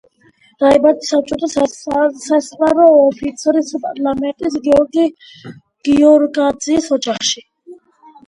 დაიბადა საბჭოთა სასაზღვრო ოფიცრის, პანტელეიმონ გიორგაძის ოჯახში.